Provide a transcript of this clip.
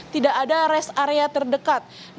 tidak ada rest area terdapat dan tidak ada res area terdapat